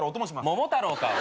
『桃太郎』か！